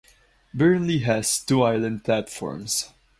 Burnley has two island platforms.